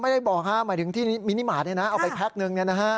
ไม่ได้บอกฮะหมายถึงที่มินิมาตรเอาไปแพ็คนึง